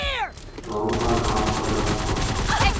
گاؤں کا نام کلاں تھا ۔